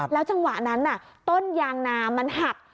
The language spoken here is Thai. จังหวะนั้นต้นยางนามันหัก